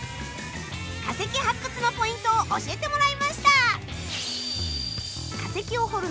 化石発掘のポイントを教えてもらいました！